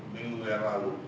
minggu yang lalu